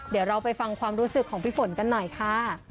เดี๋ยวเราไปฟังความรู้สึกของพี่ฝนกันหน่อยค่ะ